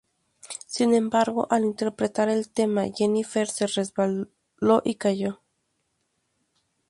Sin embargo, al interpretar el tema, Jennifer se resbaló y cayó.